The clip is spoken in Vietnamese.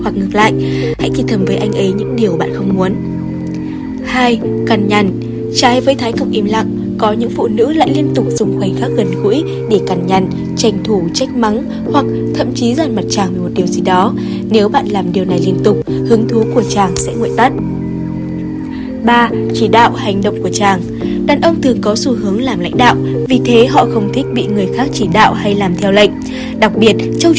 các bạn hãy đăng ký kênh để ủng hộ kênh của chúng mình nhé